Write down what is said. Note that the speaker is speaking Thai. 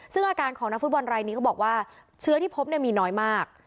ซึ่งอาการของนักฟุตบอลรายนี้เขาบอกว่าเชื้อที่พบมีน้อยมาก